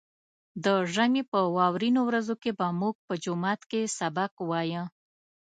د ژمي په واورينو ورځو کې به موږ په جومات کې سبق وايه.